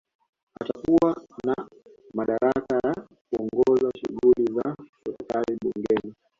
Atakuwa na madaraka ya kuongoza shughuli za serikali Bungeni